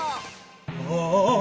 ああ！